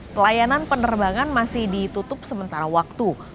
pelayanan penerbangan masih ditutup sementara waktu